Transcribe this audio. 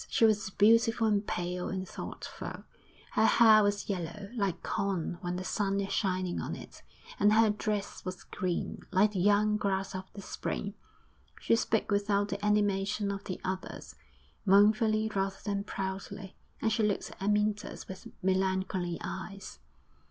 She was beautiful and pale and thoughtful. Her hair was yellow, like corn when the sun is shining on it; and her dress was green, like the young grass of the spring. She spoke without the animation of the others, mournfully rather than proudly, and she looked at Amyntas with melancholy eyes.